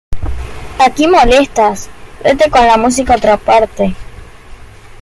Aquí molestas, vete con la música a otra parte